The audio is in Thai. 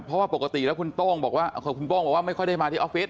เพราะว่าปกติแล้วคุณโต้งบอกว่าคุณโป้งบอกว่าไม่ค่อยได้มาที่ออฟฟิศ